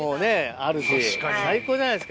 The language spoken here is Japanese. あるし最高じゃないですか。